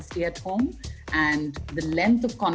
jadi dalam hal orang orang di indonesia